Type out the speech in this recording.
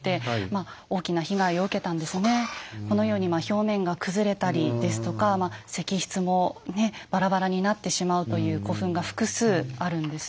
このように表面が崩れたりですとか石室もばらばらになってしまうという古墳が複数あるんです。